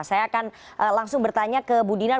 saya akan langsung bertanya ke bu dinar